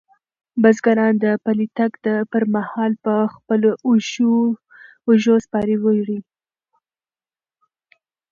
بزګران د پلي تګ پر مهال په خپلو اوږو سپارې وړي.